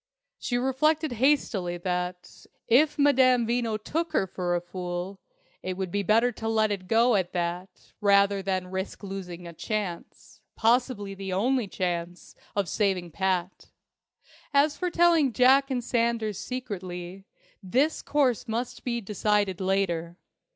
She reflected hastily that, if Madame Veno took her for a fool, it would be better to let it go at that rather than risk losing a chance possibly the only chance of saving Pat. As for telling Jack and Sanders secretly, this course must be decided later.